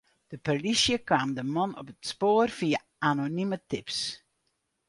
De polysje kaam de man op it spoar fia anonime tips.